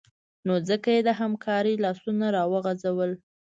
نو ځکه یې د همکارۍ لاسونه راوغځول